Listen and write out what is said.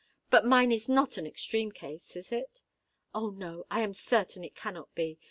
But mine is not an extreme case—is it? Oh! no—I am certain it cannot be!